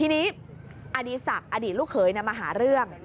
อดีตศักดิ์อดีตลูกเคยมาหาเรื่อง